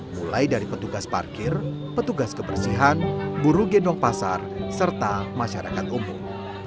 mulai dari petugas parkir petugas kebersihan buru gendong pasar serta masyarakat umum